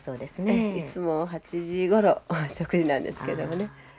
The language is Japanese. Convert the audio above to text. ええいつも８時ごろ食事なんですけどもね。